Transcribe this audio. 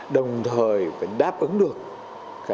đồng thời đáp ứng được